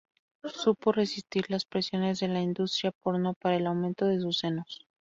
Supo resistir las presiones de la industria porno para el aumento de sus senos.